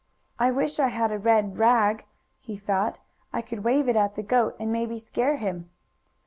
"I wish I had a red rag," he thought, "I could wave it at the goat and maybe scare him."